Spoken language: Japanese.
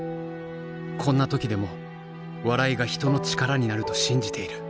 こんな時でも笑いが人の力になると信じている。